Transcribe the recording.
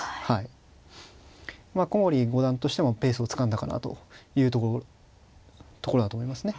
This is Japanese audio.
まあ古森五段としてもペースをつかんだかなというところだと思いますね。